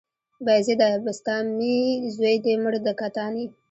بايزيده بسطامي، زوى دې مړ د کتاني